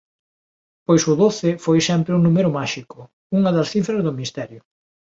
Pois o doce foi sempre un número máxico, unha das cifras do Misterio.